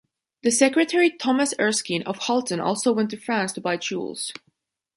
The secretary Thomas Erskine of Halton also went to France to buy jewels.